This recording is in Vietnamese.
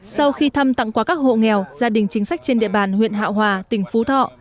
sau khi thăm tặng quà các hộ nghèo gia đình chính sách trên địa bàn huyện hạ hòa tỉnh phú thọ